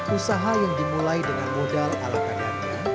usaha yang dimulai dengan modal ala kadarnya